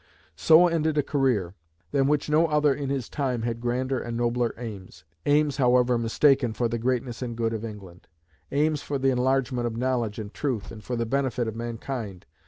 So ended a career, than which no other in his time had grander and nobler aims aims, however mistaken, for the greatness and good of England; aims for the enlargement of knowledge and truth, and for the benefit of mankind.